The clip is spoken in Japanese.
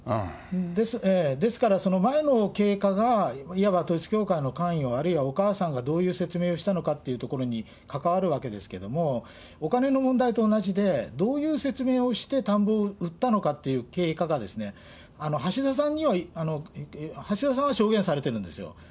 ですから前の経過がいわば統一教会の関与、あるいはお母さんがどういう説明をしたのかということに関わるわけですけども、お金の問題と同じで、どういう説明をして田んぼを売ったのかっていう経過が、橋田さんは証言されてるんですよ。